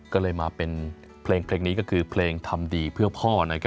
ก็เลยมาเป็นเพลงนี้ก็คือเพลงทำดีเพื่อพ่อ